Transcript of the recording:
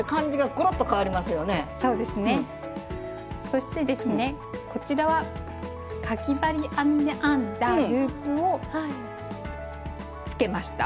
そしてですねこちらはかぎ針編みで編んだループを付けました。